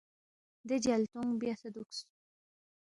دے جلتونگ بیاسے دُوکس